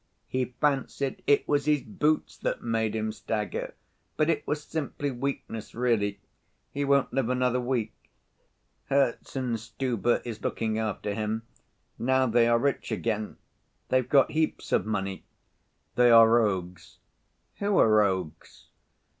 He fancied it was his boots that made him stagger, but it was simply weakness, really. He won't live another week. Herzenstube is looking after him. Now they are rich again—they've got heaps of money." "They are rogues." "Who are rogues?"